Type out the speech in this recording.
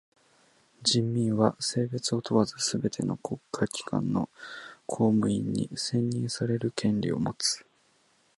人民は性別を問わずすべての国家機関の公務員に選任される権利をもつ。